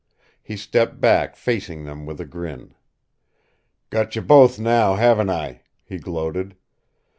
He stepped back, facing them with a grin. "Got you both now, haven't I?" he gloated.